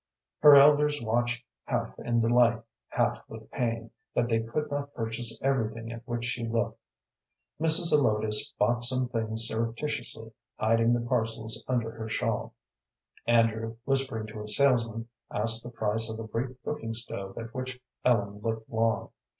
Her elders watched half in delight, half with pain, that they could not purchase everything at which she looked. Mrs. Zelotes bought some things surreptitiously, hiding the parcels under her shawl. Andrew, whispering to a salesman, asked the price of a great cooking stove at which Ellen looked long.